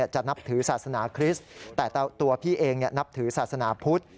จะนับถือศาสนาคริสต์แต่ตัวพี่เองนับถือศาสนาพุทธ